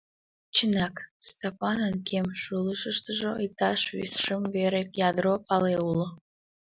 Чынак, Стапанын кем шулышыштыжо иктаж шым вере ядро пале уло.